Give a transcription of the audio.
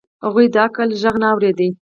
هغوی د عقل غږ نه اورېد.